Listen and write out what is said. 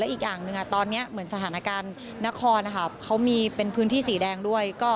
อีกอย่างหนึ่งตอนนี้เหมือนสถานการณ์นครเขามีเป็นพื้นที่สีแดงด้วย